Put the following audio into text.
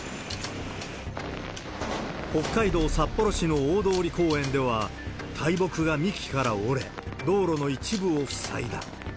北海道札幌市の大通公園では、大木が幹から折れ、道路の一部を塞いだ。